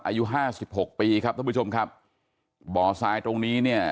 อายุห้าสิบหกปีครับท่านผู้ชมครับบ่อทรายตรงนี้เนี่ย